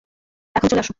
এখন চলে আসো!